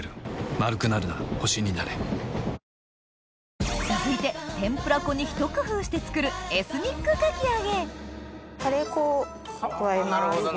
丸くなるな星になれ続いて天ぷら粉にひと工夫して作るカレー粉を加えます。